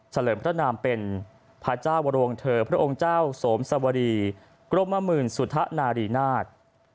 เลิมพระนามเป็นพระเจ้าวรวงเธอพระองค์เจ้าสมสวรีกรมหมื่นสุธนารีนาศ